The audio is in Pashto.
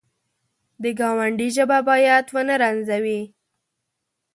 د ګاونډي ژبه باید ونه رنځوي